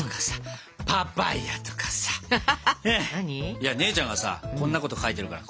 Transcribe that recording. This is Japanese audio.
いや姉ちゃんがさこんなこと書いてるから。